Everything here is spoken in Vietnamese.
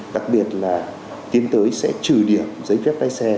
đặc biệt là kiếm tới sẽ trừ điểm giấy phép tay xe